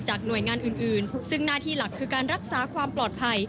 หน่วยงานอื่นซึ่งหน้าที่หลักคือการรักษาความปลอดภัย